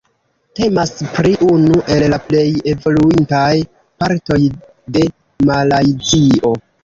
Temas pri unu el la plej evoluintaj partoj de Malajzio.